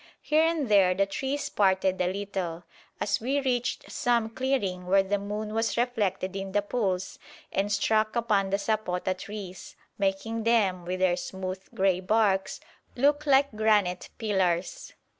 Here and there the trees parted a little, as we reached some clearing where the moon was reflected in the pools and struck upon the sapota trees, making them, with their smooth grey barks, look like granite pillars.